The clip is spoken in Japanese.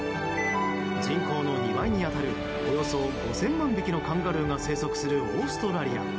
人口の２倍に当たるおよそ５０００万匹のカンガルーが生息するオーストラリア。